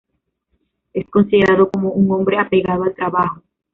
Es considerado como un hombre apegado al trabajo.